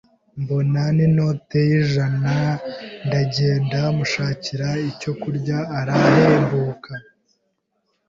mbona n’inote y’ijana ndagenda mushakira icyo kurya arahembuka.